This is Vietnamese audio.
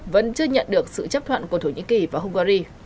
vẫn chưa nhận được sự chấp thuận của thổ nhĩ kỳ và hungary